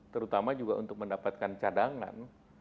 terutama juga untuk mendapatkan cadangan